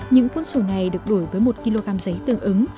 những cuốn sổ này được đổi với một kg giấy tương ứng